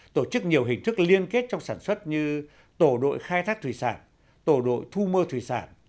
tổ chức nhiều hình thức liên kết trong sản xuất như tổ đội khai thác thủy sản tổ đội thu mơ thủy sản